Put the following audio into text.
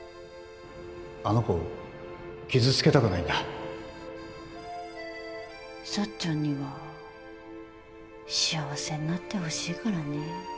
あの子を傷つけたくないんだ幸ちゃんには幸せになってほしいからね。